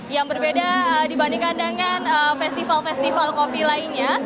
yang berbeda dibandingkan dengan festival festival kopi lainnya